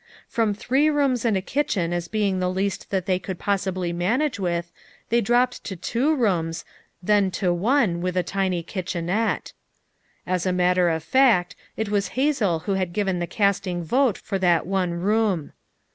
From three rooms and a kitchen as being the least that they could possibly manage with, they had dropped to two rooms, then to one, with a tiny kitchenette. As a matter of fact, it was Hazel who had given the casting vote for that one room.